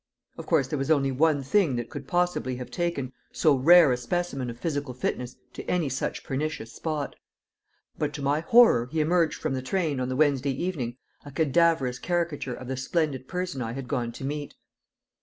Of course there was only one thing that could possibly have taken so rare a specimen of physical fitness to any such pernicious spot. But to my horror he emerged from the train, on the Wednesday evening, a cadaverous caricature of the splendid person I had gone to meet.